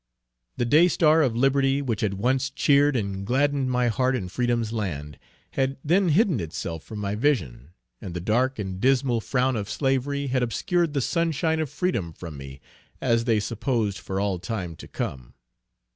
The day star of liberty which had once cheered and gladdened my heart in freedom's land, had then hidden itself from my vision, and the dark and dismal frown of slavery had obscured the sunshine of freedom from me, as they supposed for all time to come.